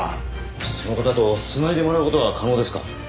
その方と繋いでもらう事は可能ですか？